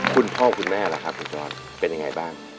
คุณพ่อคุณแม่ละครับคุณจรเป็นอย่างไรบ้าง